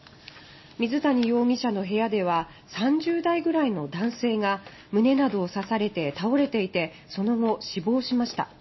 水谷容疑者の部屋では３０代くらいの男性が胸などを刺されて倒れていてその後、死亡しました。